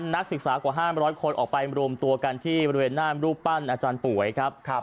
นักศึกษากว่า๕๐๐คนออกไปรวมตัวกันที่บริเวณหน้ารูปปั้นอาจารย์ป่วยครับ